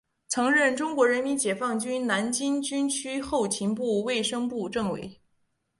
曾任中国人民解放军南京军区后勤部卫生部政委。